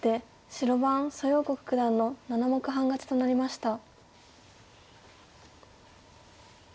白番蘇耀国九段の７目半勝ちとなりました。